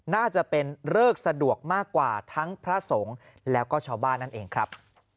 น่าจะเป็นเริกสะดวกมากกว่าทั้งพระสงฆ์แล้วก็ชาวบ้านนั่นเองครับ